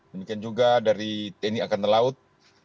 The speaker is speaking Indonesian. demikian juga dari tni angkatan laut